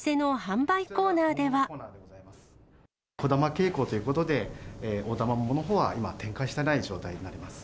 小玉傾向ということで、大玉の桃のほうは今、展開していない状態になります。